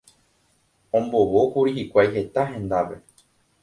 Ombovókuri hikuái heta hendápe.